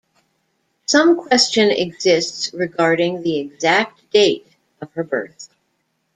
Some question exists regarding the exact date of her birth.